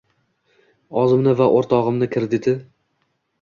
Ozimni va ortogimi krediti